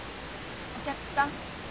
お客さん？